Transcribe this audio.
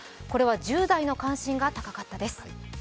これは１０代の関心が高かったです。